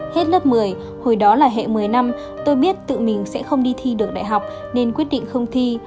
hết lớp một mươi hồi đó là hệ một mươi năm tôi biết tự mình sẽ không đi thi được đại học nên quyết định không thi